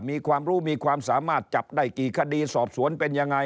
มีความรู้มีความสามารถจับได้กี่คดีสอบสวนเป็นยังไง